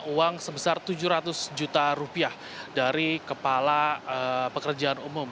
uang sebesar tujuh ratus juta rupiah dari kepala pekerjaan umum